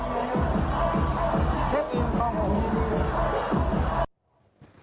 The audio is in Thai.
เช็คอินคลอง๖นี้